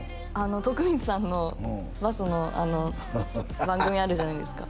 徳光さんのバスのあの番組あるじゃないですか